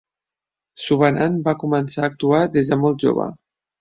Suvanant va començar a actuar des de molt jove.